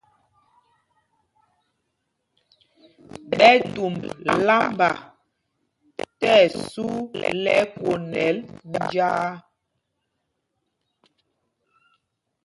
Ɓɛ tumb lámba tí ɛsu lɛ ɛkwonɛl njāā.